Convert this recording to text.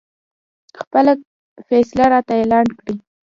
خپله فیصله راته اعلان کړي.